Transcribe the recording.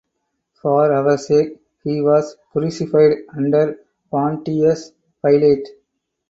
For our sake he was crucified under Pontius Pilate;